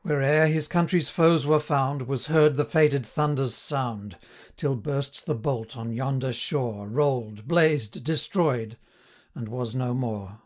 Where'er his country's foes were found, 75 Was heard the fated thunder's sound, Till burst the bolt on yonder shore, Roll'd, blazed, destroyed, and was no more.